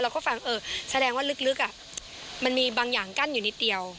ก็ฟังเออแสดงว่าลึกมันมีบางอย่างกั้นอยู่นิดเดียว